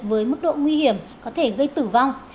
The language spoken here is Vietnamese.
với mức độ nguy hiểm có thể gây tử vong